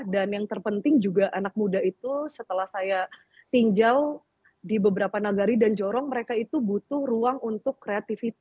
dan yang terpenting juga anak muda itu setelah saya tinggal di beberapa nagari dan jorong mereka itu butuh ruang untuk kreativitas mas